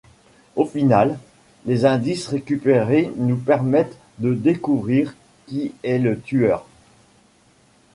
Au final, les indices récupérés nous permettent de découvrir qui est le tueur.